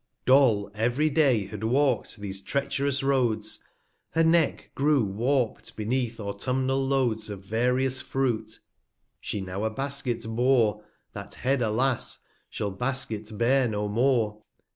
/ ~7 /Do/// ev'ry Day had walk'd these treach'rous Roads ; Her Neck grew warpt beneath autumnal Loads 260 Of various Fruit; she now a Basket bore, That Head, alas ! shall Basket bear no more.